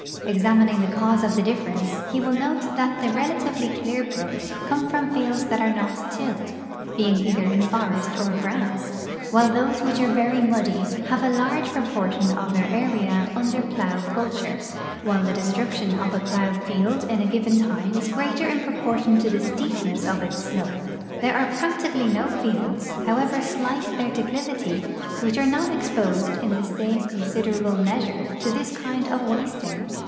Examining the cause of the difference he will note that the relatively clear brooks come from fields that are not tilled, being either in forest or grains, while tho.se which are very muddy have a large ]>ro portion of their area under plow culture. While the destruction of a plowed field in a given time is greater in jwoportion to the steepness of its slope, there are practically no fields, however slight their declivity, which are not exposed in the same consid erable measure to this kind of wasting.